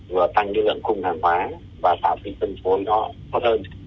vừa tăng lượng khung hàng hóa và tạo tinh thần phối nó hơn hơn